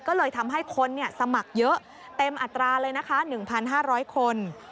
ก็เลยทำให้คนสมัครเยอะเต็มอัตราเลยนะคะ๑๕๐๐คน